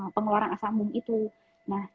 pengeluaran asam bom itu nah